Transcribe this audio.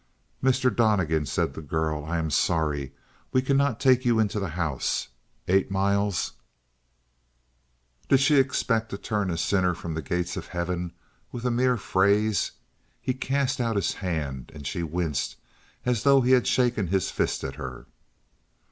"Mr. Donnegan," said the girl. "I am sorry. We cannot take you into the house. Eight miles " Did she expect to turn a sinner from the gates of heaven with a mere phrase? He cast out his hand, and she winced as though he had shaken his fist at her.